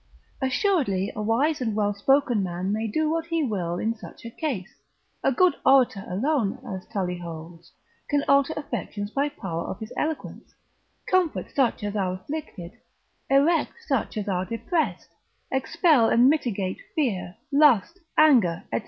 Assuredly a wise and well spoken man may do what he will in such a case; a good orator alone, as Tully holds, can alter affections by power of his eloquence, comfort such as are afflicted, erect such as are depressed, expel and mitigate fear, lust, anger, &c.